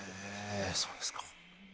そうですか。